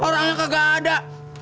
orangnya kagak ada